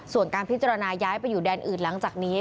ส่วนการพิจารณาย้ายไปอยู่แดนอื่นหลังจากนี้